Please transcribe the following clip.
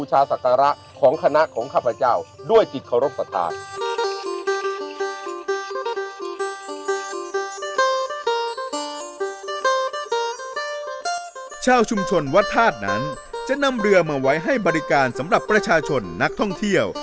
ชาวชุมชนวัดธาตุนั้นจะนำเรือมาไว้ให้บริการสำหรับประชาชนนักท่องเที่ยว